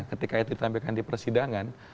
ketika itu ditampilkan di persidangan